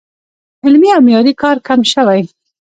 علمي او معیاري کار کم شوی